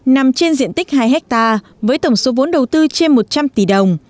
nằm trên diện tích hai hectare với tổng số vốn đầu tư trên một trăm linh tỷ đồng